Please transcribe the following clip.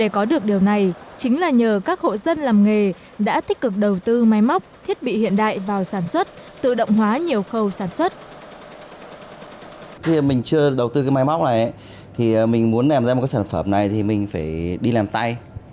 khi mình chưa đầu tư cái máy móc này thì mình muốn làm ra một cái sản phẩm này thì mình phải đi làm tay